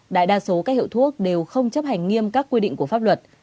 đại đa số các hiệu thuốc đều không chấp hành nghiêm các quy định của pháp luật